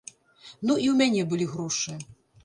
Ну і ў мяне былі грошы.